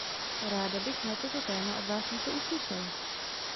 Ráda bych na toto téma od Vás něco uslyšela.